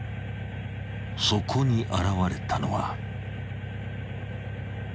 ［そこに現れたのは］